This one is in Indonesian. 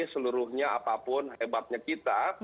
seluruhnya apapun hebatnya kita